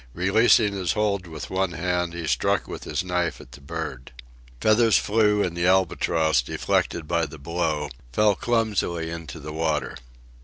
Releasing his hold with one hand, he struck with his knife at the bird. Feathers flew, and the albatross, deflected by the blow, fell clumsily into the water.